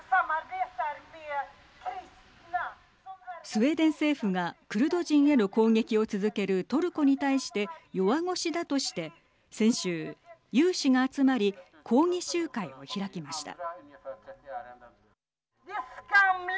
スウェーデン政府がクルド人への攻撃を続けるトルコに対して弱腰だとして先週、有志が集まり抗議集会を開きました。